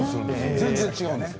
全然違うんですよ